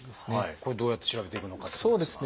これどうやって調べていくのかっていうことですが。